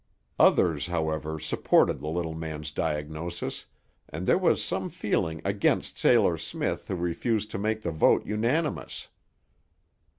Others, however, supported the little man's diagnosis, and there was some feeling against Sailor Smith who refused to make the vote unanimous.